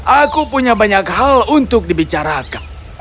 aku punya banyak hal untuk dibicarakan